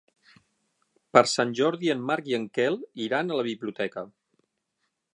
Per Sant Jordi en Marc i en Quel iran a la biblioteca.